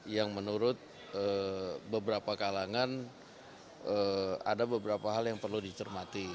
yang menurut beberapa kalangan ada beberapa hal yang perlu dicermati